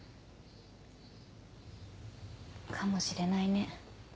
かもしれないね。